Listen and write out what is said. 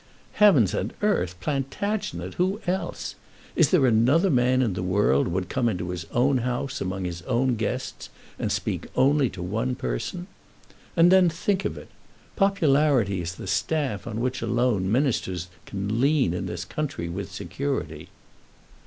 "Heavens and earth! Plantagenet; who else? Is there another man in the world would come into his own house, among his own guests, and speak only to one person? And, then, think of it! Popularity is the staff on which alone Ministers can lean in this country with security."